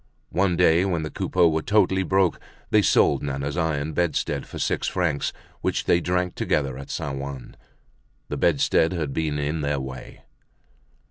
One day when the Coupeaus were totally broke they sold Nana's iron bedstead for six francs, which they drank together at Saint Ouen. The bedstead had been in their way.